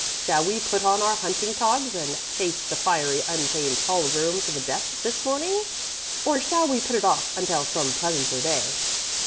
Shall we put on our hunting togs and chase the fiery, untamed hall room to the death this morning, or shall we put it off until some pleasanter day?"